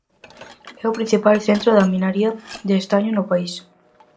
É o principal centro da minería de estaño no país.